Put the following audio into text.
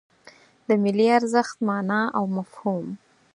د ملي ارزښت مانا او مفهوم